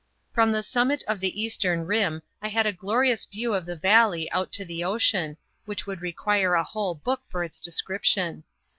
From the summit of the eastern rim I had a glorious view of the valley out to the ocean, which would require a whole book for its description.